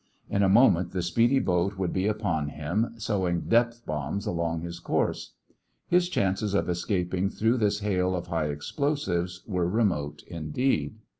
In a moment the speedy boat would be upon him, sowing depth bombs along his course. His chances of escaping through this hail of high explosives were remote indeed.